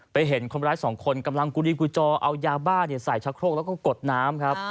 เห็นคนร้ายสองคนกำลังกุลีกูจอเอายาบ้าใส่ชะโครกแล้วก็กดน้ำครับ